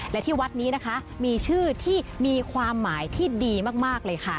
และที่วัดนี้นะคะมีชื่อที่มีความหมายที่ดีมากเลยค่ะ